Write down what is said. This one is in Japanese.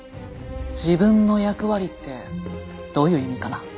自分の役割ってどういう意味かな？